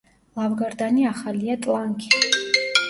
ლავგარდანი ახალია ტლანქი.